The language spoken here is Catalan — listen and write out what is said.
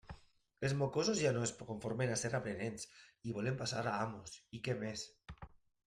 Els mocosos ja no es conformen a ser aprenents i volen passar a amos; i... què més?